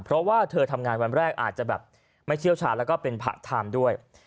เพราะว่าเธอทำงานวันแรกอาจจะแบบไม่เชี่ยวชาญแล้วก็เป็นผะไทม์ด้วย